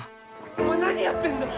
お前何やってんだよ？